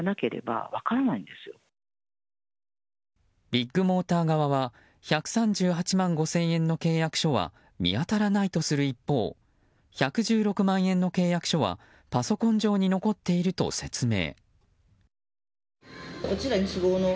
ビッグモーター側は１３８万５０００円の契約書は見当たらないとする一方１１６万円の契約書はパソコン上に残っていると説明。